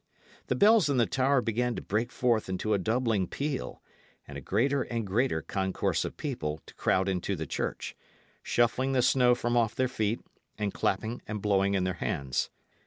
The bells in the tower began to break forth into a doubling peal, and a greater and greater concourse of people to crowd into the church, shuffling the snow from off their feet, and clapping and blowing in their hands.